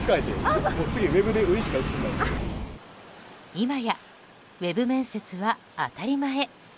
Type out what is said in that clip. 今やウェブ面接は当たり前。